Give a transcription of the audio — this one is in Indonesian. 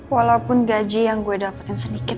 walaupun gaji yang gue dapetin sedikit